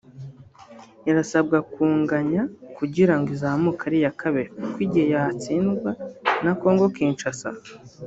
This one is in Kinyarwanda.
irasabwa kunganya kugira ngo izamuke ari iya kabiri kuko igihe yatsindwa na Congo Kinshasa